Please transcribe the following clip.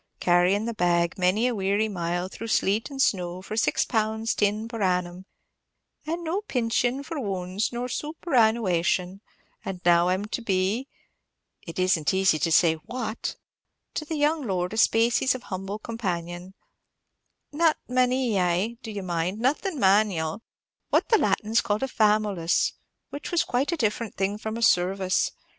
carryin' the bag many a weary mile, through sleet and snow, for six pounds tin per annum, and no pinsion for wounds or superannuation; and now I 'm to be it is n't easy to say what to the young lord a spacies of humble companion, not maniai, do you mind, nothing manial; what the Latins called a __famulus, which was quite a different thing from a servus.